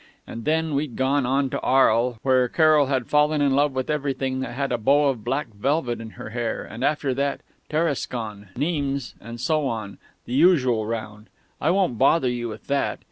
And then we'd gone on to Arles, where Carroll had fallen in love with everything that had a bow of black velvet in her hair, and after that Tarascon, Nîmes, and so on, the usual round I won't bother you with that.